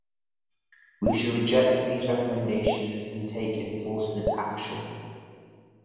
We should reject these recommendations and take enforcement action.